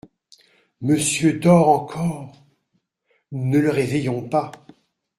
Monsieur dort encore… ne le réveillons pas.